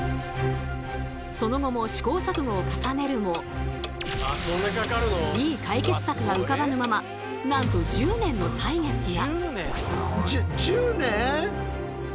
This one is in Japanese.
その後も試行錯誤を重ねるもいい解決策が浮かばぬままなんと１０年の歳月が。